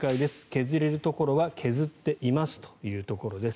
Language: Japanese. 削れるところは削っていますというところです。